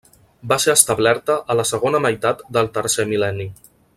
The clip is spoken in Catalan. Va ser establerta a la segona meitat del tercer mil·lenni.